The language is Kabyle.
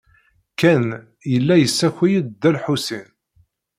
Ken yella yessakay-d Dda Lḥusin.